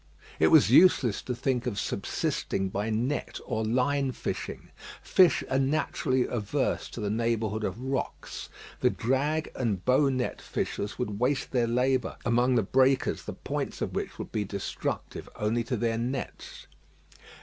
It was useless to think of subsisting by net or line fishing. Fish are naturally averse to the neighbourhood of rocks. The drag and bow net fishers would waste their labour among the breakers, the points of which would be destructive only to their nets.